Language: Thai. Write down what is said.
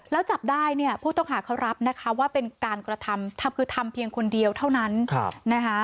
แล้วจับได้เนี่ยผู้ต้องหาเขารับนะคะว่าเป็นการกระทำทำคือทำเพียงคนเดียวเท่านั้นนะคะ